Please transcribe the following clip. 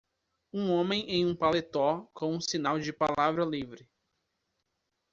Um homem em um paletó com um sinal de "palavra livre".